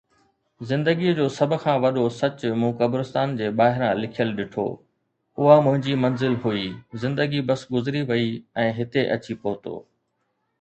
زندگيءَ جو سڀ کان وڏو سچ مون قبرستان جي ٻاهران لکيل ڏٺو. اها منهنجي منزل هئي، زندگي بس گذري وئي ۽ هتي اچي پهتو